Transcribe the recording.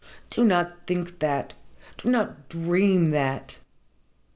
Do not think that do not dream that.